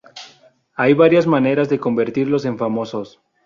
Hay varias maneras de convertirlos en famosos.